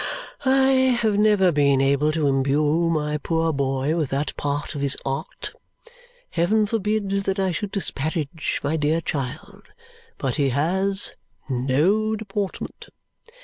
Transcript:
I have never been able to imbue my poor boy with that part of his art. Heaven forbid that I should disparage my dear child, but he has no deportment."